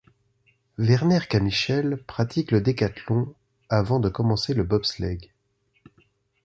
Werner Camichel pratique le décathlon avant de commencer le bobsleigh.